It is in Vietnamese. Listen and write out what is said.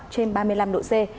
trên ba mươi năm độ c